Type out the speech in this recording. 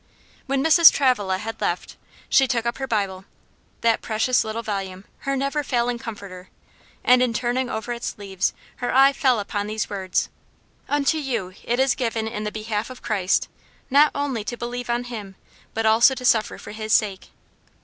When Mrs. Travilla had left, she took up her Bible that precious little volume, her never failing comforter and in turning over its leaves her eye fell upon these words: "Unto you it is given in the behalf of Christ, not only to believe on him, but also to suffer for his sake."